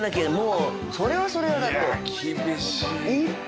それはそれはだって。